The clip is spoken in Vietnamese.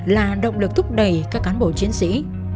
là động lực thúc đẩy các cán bộ chiến sĩ